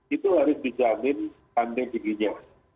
itu harus dijamin rantai dinginnya